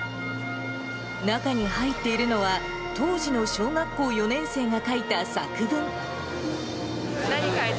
中に入っているのは、当時の小学校４年生が書いた作文。